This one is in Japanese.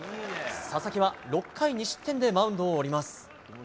佐々木は６回２失点でマウンドを降ります。